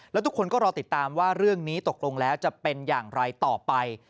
แล้วทุกคนก็รอติดตามว่าเรื่องนี้ตกลงแล้วจะเป็นอย่างไรต่อไป